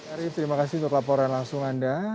arief terima kasih untuk laporan langsung anda